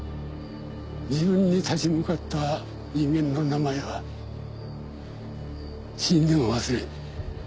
自分に立ち向かった人間の名前は死んでも忘れん。